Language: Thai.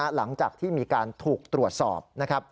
หลังจากที่มีการถูกตรวจสอบ